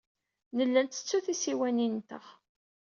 Nella nettettu tisiwanin-nteɣ.